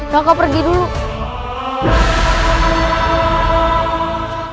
raka pergi dulu